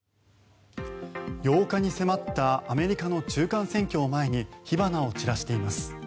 ８日に迫ったアメリカの中間選挙を前に火花を散らしています。